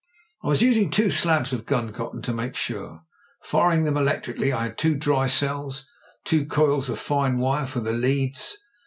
"I was using two slabs of gun cotton to make sure — firing them electrically. I had two dry cells and two coils of fine wire for the leads.